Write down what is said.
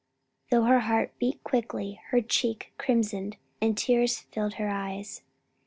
though her heart beat quickly, her cheek crimsoned, and tears filled her eyes.